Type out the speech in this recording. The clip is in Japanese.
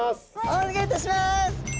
お願いいたします！